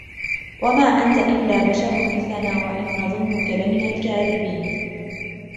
وَمَا أَنْتَ إِلَّا بَشَرٌ مِثْلُنَا وَإِنْ نَظُنُّكَ لَمِنَ الْكَاذِبِينَ